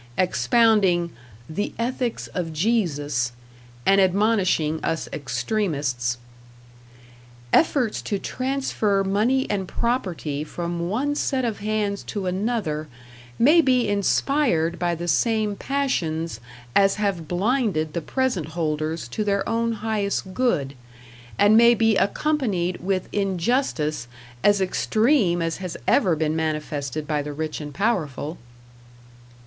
expounding "The Ethics of Jesus," and admonishing us extremists: Efforts to transfer money and property from one set of hands to another may be inspired by the same passions as have blinded the present holders to their own highest good, and may be accompanied with injustice as extreme as has ever been manifested by the rich and powerful.